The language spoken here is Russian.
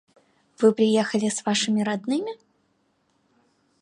– Вы приехали с вашими родными?